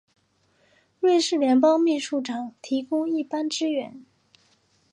瑞士联邦秘书长提供一般支援。